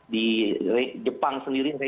di jepang sendiri